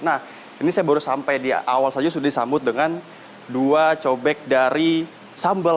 nah ini saya baru sampai di awal saja sudah disambut dengan dua cobek dari sambal